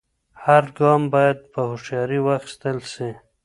هر ګام باید په هوښیارۍ واخیستل سي.